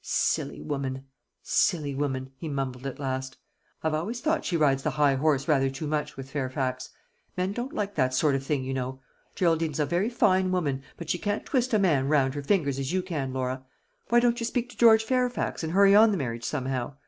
"Silly woman! silly woman!" he mumbled at last. "I've always thought she rides the high horse rather too much with Fairfax. Men don't like that sort of thing, you know. Geraldine's a very fine woman, but she can't twist a man round her fingers as you can, Laura. Why don't you speak to George Fairfax, and hurry on the marriage somehow?